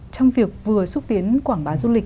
trong việc vừa xúc tiến quảng bá du lịch